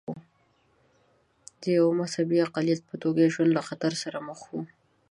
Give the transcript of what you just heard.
د یوه مذهبي اقلیت په توګه یې ژوند له خطر سره مخ و.